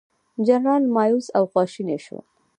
جنرالان مأیوس او خواشیني شول.